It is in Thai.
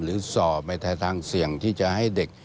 หรือส่อไปทางเสี่ยงที่จะให้เด็ก